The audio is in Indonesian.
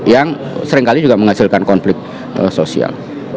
yang seringkali juga menghasilkan konflik sosial